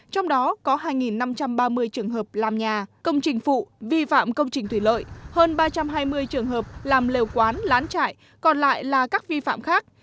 trong đó có hai năm trăm ba mươi trường hợp làm nhà công trình phụ vi phạm công trình thủy lợi hơn ba trăm hai mươi trường hợp làm lều quán lán trại còn lại là các vi phạm khác